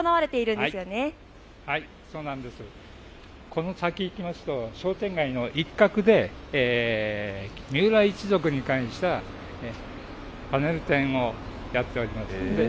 この先に行きますと商店街の一角で三浦一族に関したパネル展をやっております。